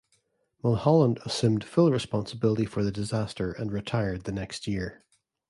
Mulholland assumed full responsibility for the disaster and retired the next year.